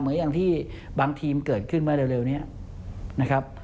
อย่างที่บางทีมเกิดขึ้นมาเร็วนี้นะครับ